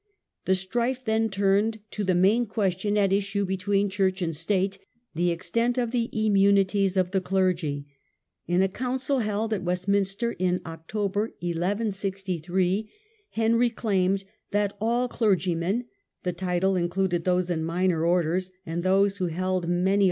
The •^^'"^' strife then turned to the main question at issue between church and state, — the extent of the immunities of the clergy. In a council held at Westminster in October 1 163 Henry claimed that all clergymen (the title in cluded those in * minor orders', and those who held many 22 CONSTITUTIONS OF CLARENDON.